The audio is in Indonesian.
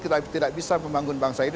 kita tidak bisa membangun bangsa ini